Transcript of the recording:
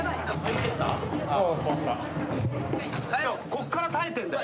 こっから耐えてんだよ。